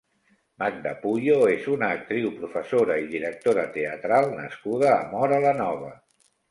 Magda Puyo és una actriu, professora i directora teatral nascuda a Móra la Nova.